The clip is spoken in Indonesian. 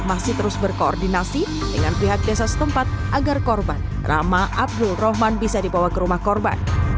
masih terus berkoordinasi dengan pihak desa setempat agar korban rama abdul rohman bisa dibawa ke rumah korban